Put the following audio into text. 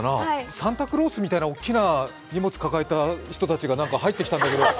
サンタクロースみたいな大きな荷物抱えた人たちが入ってきたんだけど。